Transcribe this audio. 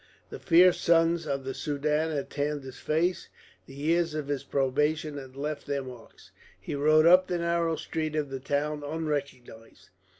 The fierce suns of the Soudan had tanned his face, the years of his probation had left their marks; he rode up the narrow street of the town unrecognised.